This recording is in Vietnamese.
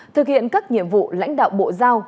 thực hiện các nhiệm vụ lãnh đạo bộ giao